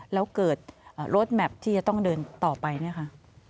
แล้วเกิดเวลาเดินทางที่จะต้องเดินต่อไปเนี่ยค่ะ